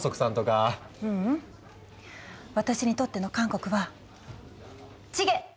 ううん私にとっての韓国はチゲ！